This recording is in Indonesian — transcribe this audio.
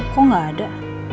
kok gak ada